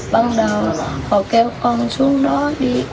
bắt đầu họ kêu con xuống đó đi